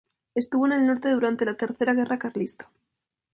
Estuvo en el norte durante la Tercera Guerra Carlista.